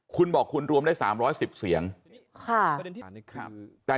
คุณบอกคุณรวมได้๓๑๐เสียงค่ะ